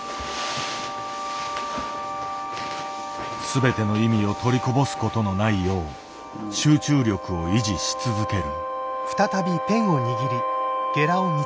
全ての意味を取りこぼすことのないよう集中力を維持し続ける。